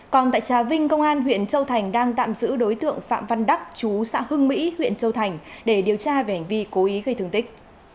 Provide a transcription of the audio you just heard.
còn tại trà vinh công an huyện châu thành đang tạm giữ đối tượng phạm văn đắc chú xã hưng mỹ huyện châu thành để điều tra về hành vi cố ý gây thương tích